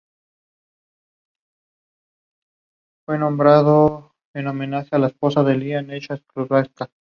Muchos grecochipriotas desplazados, provenientes principalmente de Famagusta, se asentaron en la localidad.